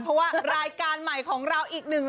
เพราะว่ารายการใหม่ของเราอีกหนึ่ง